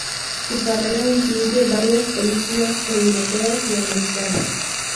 Su carrera incluye varias películas europeas y americanas.